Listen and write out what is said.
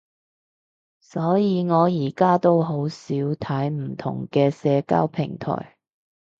所以我而家都好少睇唔同嘅社交平台